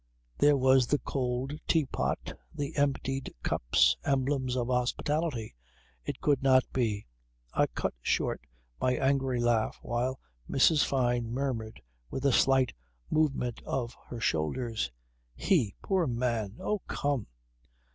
There was the cold teapot, the emptied cups, emblems of hospitality. It could not be. I cut short my angry laugh while Mrs. Fyne murmured with a slight movement of her shoulders, "He! Poor man! Oh come